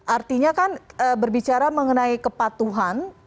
artinya kan berbicara mengenai kepatuhan